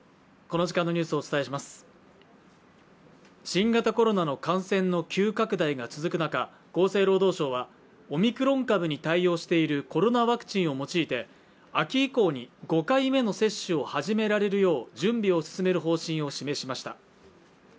新型コロナの感染の急拡大が続く中、厚生労働省は、オミクロン株に対応しているコロナワクチンを用いて秋以降に５回目の接種を始められるよう準備を進める方針を示しました。